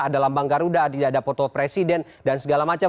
ada lambang garuda tidak ada foto presiden dan segala macam